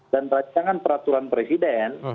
dan rancangan peraturan presiden